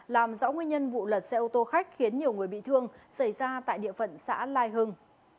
làm rõ nguyên nhân vụ lật xe ô tô khách khiến nhiều người bị thương xảy ra tại địa phận xã lai hưng